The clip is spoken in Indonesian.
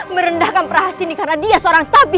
merendahkan prahasis ini karena dia seorang tabib